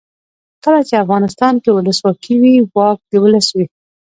کله چې افغانستان کې ولسواکي وي واک د ولس وي.